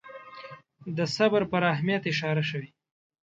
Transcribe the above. د صبر پر اهمیت اشاره شوې.